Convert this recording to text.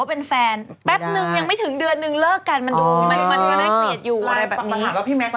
ข้าวข่าวนี้เดี๋ยวเปิดเวลาแล้ว